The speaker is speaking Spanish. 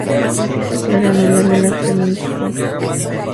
La pieza clara anular de la caña indistinta.